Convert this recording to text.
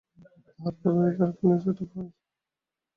তার পূর্বে আমাকে চারখানি ছোট ছোট বই তাড়াতাড়ি শেষ করতে হবে।